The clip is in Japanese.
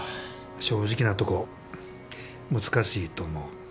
正直なとこ難しいと思う。